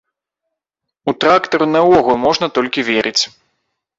У трактар наогул можна толькі верыць.